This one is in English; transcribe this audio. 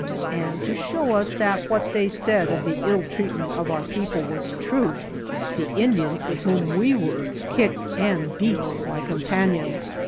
And to show us that what they said of the ill treatment of our people was true the Indians with whom we were kicked and beat my companion.